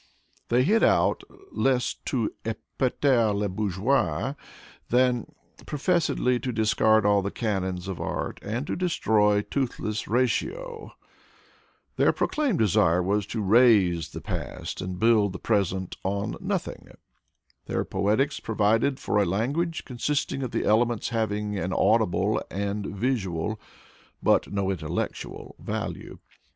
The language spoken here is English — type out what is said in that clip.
They hit out less to epater le bourgeois than professedly to discard all the canons of art and to destroy toothless Ratio. Their proclaimed desire was to raze the past and build the present on nothing. Their poetics provide for a language consisting of elements having an audible and a visual, but no intellectual value.